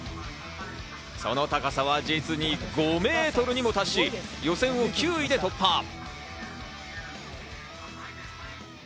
その高さは実に５メートルにも達し、予選を９位で突破。